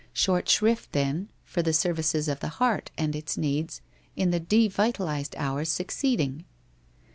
Short shrift then for the services of the heart, and its needs, in the devitalized hours succeeding.